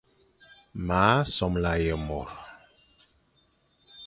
M a somla ye môr.